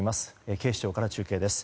警視庁から中継です。